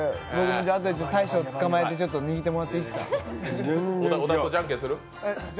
あとで大将つかまえて、握ってもらっていいですか？